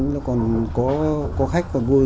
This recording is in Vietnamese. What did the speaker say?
nó còn có khách còn vui